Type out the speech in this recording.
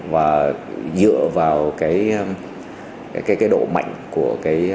và dựa vào độ mạnh của